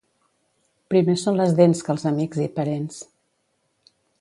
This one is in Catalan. Primer són les dents que els amics i parents.